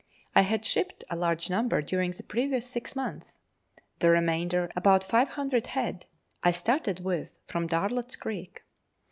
I had shipped a large number during the previous six months. The remainder, about 500 head, I started with from Darlot's Creek.